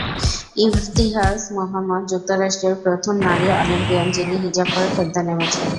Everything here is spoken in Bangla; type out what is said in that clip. ইবতিহাজ মোহাম্মদ, যুক্তরাষ্ট্রের প্রথম নারী অলিম্পিয়ান যিনি হিজাব পরে খেলতে নেমেছেন।